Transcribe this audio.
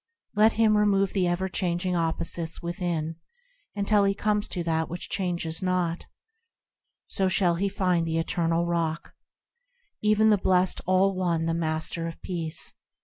Let him remove the ever changing opposites within until he comes to that which changes not; So shall he find the Eternal Rock, Even the blessed All One, the Master of peace.